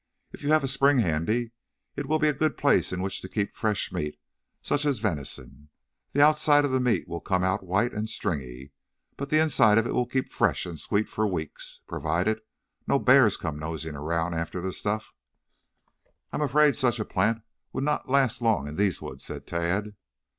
If you have a spring handy it will be a good place in which to keep fresh meat, such as venison. The outside of the meat will come out white and stringy, but the inside of it will keep fresh and sweet for weeks, provided no bears come nosing around after the stuff." "I am afraid such a plant would not last long in these woods," said Tad.